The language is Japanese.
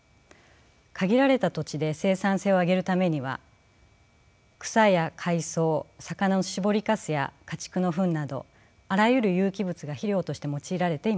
限られた土地で生産性を上げるためには草や海藻魚の絞りかすや家畜の糞などあらゆる有機物が肥料として用いられていました。